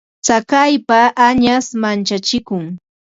Tsakaypa añash manchachikun.